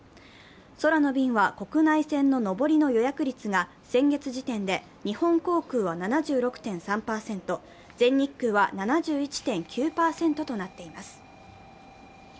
空の便は国内線の上りの予約率が先月時点で日本航空は７６．３％、全日空は７１．９％となっています。